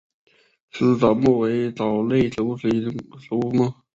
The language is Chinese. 丝藻目为藻类植物之一植物目。